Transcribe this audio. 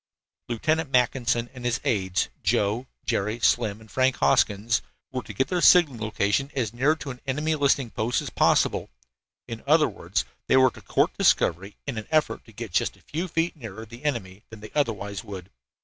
Lieutenant Mackinson and his aides, Joe, Jerry, Slim and Frank Hoskins, were to get their signaling location as near to an enemy listening post as possible! In other words, they were to court discovery in an effort to get just a few feet nearer the enemy than they otherwise would.